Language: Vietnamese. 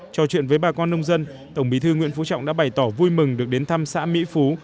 trò chuyện với bà con nông dân tổng bí thư nguyễn phú trọng đã bày tỏ vui mừng được đến thăm xã mỹ phú